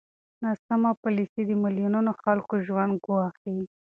ناسمه پالېسي د میلیونونو خلکو ژوند ګواښي.